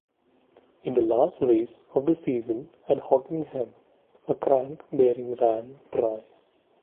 In the last race of the season at Hockenheim a crank-bearing ran dry.